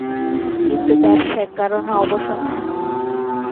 কিন্তু ব্যবসায়িক কারণে অবসর নেন।